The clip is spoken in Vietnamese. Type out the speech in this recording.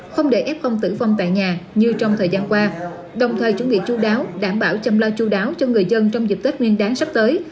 không để f tử vong tại nhà như trong thời gian qua đồng thời chuẩn bị chú đáo đảm bảo chăm lo chú đáo cho người dân trong dịp tết nguyên đáng sắp tới